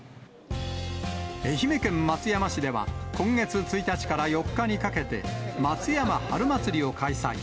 愛媛県松山市では、今月１日から４日にかけて、松山春まつりを開催。